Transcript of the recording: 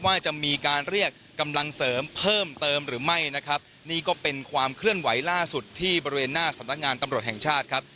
ว่าจะมีการเรียกกำลังเสริมเพิ่มเติมหรือไม่นะครับนี่ก็เป็นความเคลื่อนไหวล่าสุดที่บริเวณหน้าสำนักงานตำรวจแห่งชาติครับ